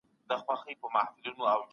ځینې شیان پرته له فکر څخه رامنځ ته کېږي.